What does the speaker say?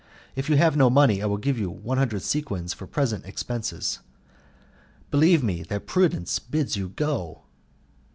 If you have no money I will give you a hundred sequins for present expenses. Believe me that prudence bids you go."